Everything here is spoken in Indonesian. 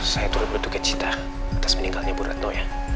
saya turut bertugas cinta atas meninggalnya bu retno ya